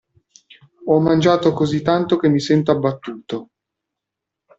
Ho mangiato così tanto che mi sento abbattuto.